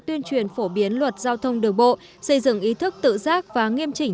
tuyên truyền phổ biến luật giao thông đường bộ xây dựng ý thức tự giác và nghiêm chỉnh